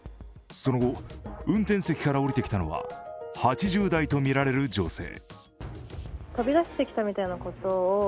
その後、運転席から降りてきたのは８０代とみられる女性。